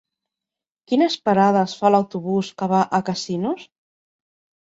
Quines parades fa l'autobús que va a Casinos?